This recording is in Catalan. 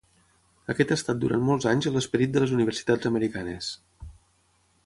Aquest ha estat durant molts anys l'esperit de les universitats americanes.